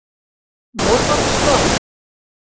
Мо шотышто?